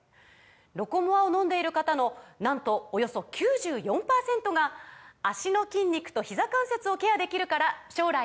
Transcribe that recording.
「ロコモア」を飲んでいる方のなんとおよそ９４％が「脚の筋肉とひざ関節をケアできるから将来も安心！」とお答えです